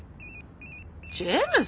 ジェームズ！？